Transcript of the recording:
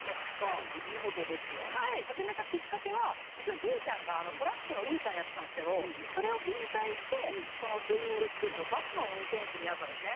始めたきっかけはうちのじいちゃんがトラックの運ちゃんをやってたんですけどそれを引退してスイミングスクールのバスの運転手になったんですね。